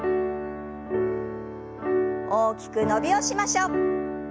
大きく伸びをしましょう。